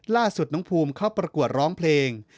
ล่าสุดน้องภูมิเข้าประกวดร้องเพลง